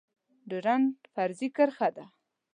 ډيورنډ فرضي کرښه ده